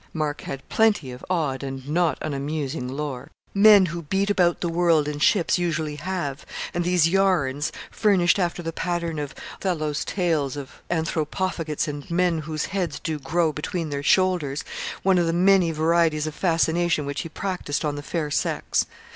Mark had plenty of odd and not unamusing lore. Men who beat about the world in ships usually have; and these 'yarns,' furnished, after the pattern of Othello's tales of Anthropophagites and men whose heads do grow beneath their shoulders, one of the many varieties of fascination which he practised on the fair sex.